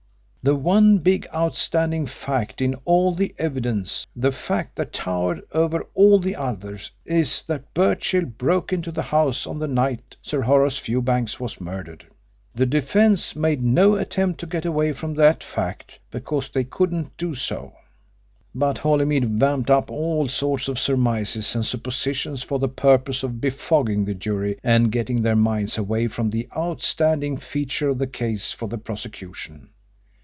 The one big outstanding fact in all the evidence, the fact that towered over all the others, is that Birchill broke into the house on the night Sir Horace Fewbanks was murdered. The defence made no attempt to get away from that fact because they could not do so. But Holymead vamped up all sorts of surmises and suppositions for the purpose of befogging the jury and getting their minds away from the outstanding feature of the case for the prosecution.